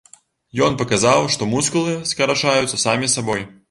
Ён паказаў, што мускулы скарачаюцца самі сабой.